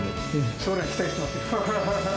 将来、期待してますよ。